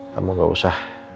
kamu gak usah